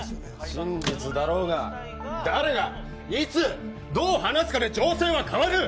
真実だろうが誰がいつどう話すかで情勢は変わる！